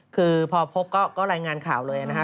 คือพอพบก็รายงานข่าวเลยนะฮะ